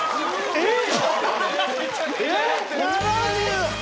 えっ。